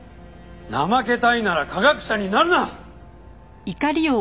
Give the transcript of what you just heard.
怠けたいなら科学者になるな！